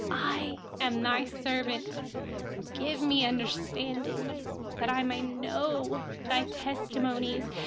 125I am your servant. Give me understanding, that I may know your testimonies.